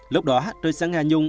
lúc đó tôi sẽ nghe nhung